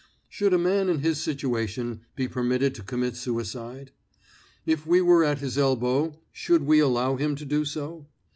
Should a man in his situation be permitted to commit suicide? If we were at his elbow should we allow him to do so?